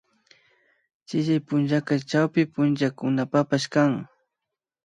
Chillay punllaka chawpi punchakunapapash kan